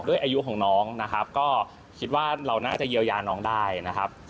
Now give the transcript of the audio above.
อายุของน้องนะครับก็คิดว่าเราน่าจะเยียวยาน้องได้นะครับ